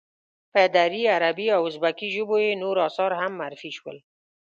په دري، عربي او ازبکي ژبو یې نور آثار هم معرفی شول.